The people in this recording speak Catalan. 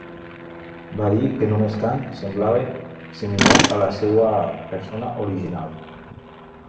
Va dir que només Kang semblava similar a la seva persona original.